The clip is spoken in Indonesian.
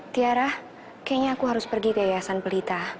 tiara kayaknya aku harus pergi ke yayasan pelita